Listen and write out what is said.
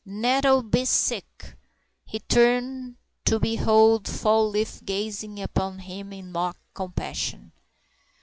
"Nettle be sick!" He turned to behold Fall leaf gazing upon him in mock compassion.